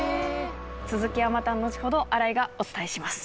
続きはまた後ほど新井がお伝えします。